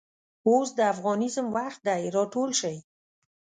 اوس دافغانیزم وخت دی راټول شئ